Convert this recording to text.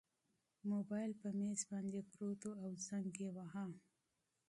موبایل په مېز باندې پروت و او زنګ یې واهه.